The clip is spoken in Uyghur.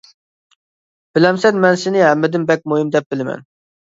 بىلەمسەن، مەن سېنى ھەممىدىن بەك مۇھىم دەپ بىلىمەن.